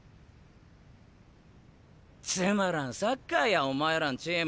つまらんサッカーやお前らんチーム。